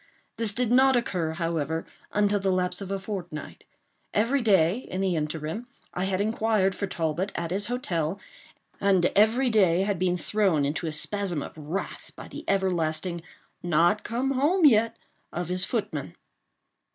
This did not occur, however, until the lapse of a fortnight. Every day, in the interim, I had inquired for Talbot at his hotel, and every day had been thrown into a spasm of wrath by the everlasting "Not come home yet" of his footman.